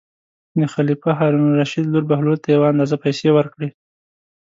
د خلیفه هارون الرشید لور بهلول ته یو اندازه پېسې ورکړې.